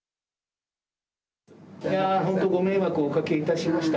本当にご迷惑をおかけいたしました。